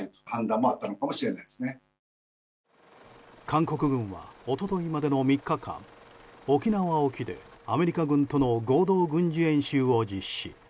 韓国軍は一昨日までの３日間沖縄沖で、アメリカ軍との合同軍事演習を実施。